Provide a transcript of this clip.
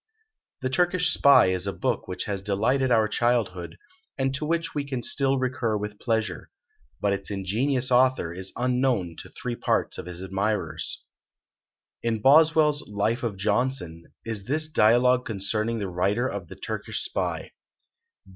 The "Turkish Spy" is a book which has delighted our childhood, and to which we can still recur with pleasure. But its ingenious author is unknown to three parts of his admirers. In Boswell's "Life of Johnson" is this dialogue concerning the writer of the "Turkish Spy."